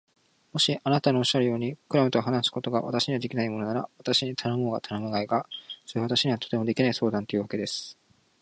もしあなたのおっしゃるように、クラムと話すことが私にはできないものなら、私に頼もうが頼むまいが、それは私にはとてもできない相談というわけです。